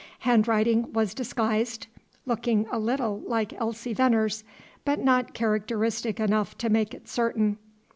Handwriting was disguised; looked a little like Elsie Veneer's, but not characteristic enough to make it certain.